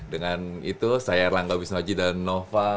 dengan itu saya erlangga wisnoji dan nova